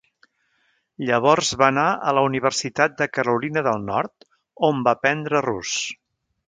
Llavors va anar a la Universitat de Carolina del Nord, on va aprendre rus.